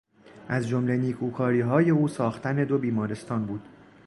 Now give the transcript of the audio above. از جمله نیکوکاریهای او ساختن دو بیمارستان بود.